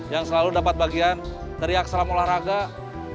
yang selalu dapat bagian teriak teriak